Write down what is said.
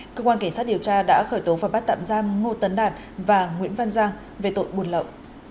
cơ quan cảnh sát điều tra đã khởi tố và bắt tạm giam ngô tấn đạt và nguyễn văn giang về tội buôn lậu